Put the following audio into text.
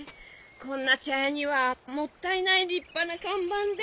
こんな茶屋にはもったいない立派な看板で。